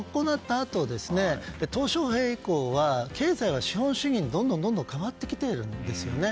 あとトウ・ショウヘイ以降は経済は資本主義にどんどん変わってきているんですね。